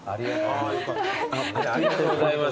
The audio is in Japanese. ありがとうございます。